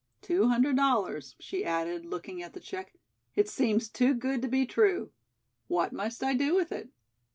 Two hundred dollars," she added, looking at the check. "It seems too good to be true. What must I do with it?"